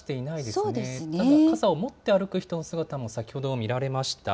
ただ傘を持って歩く人の姿も先ほど見られました。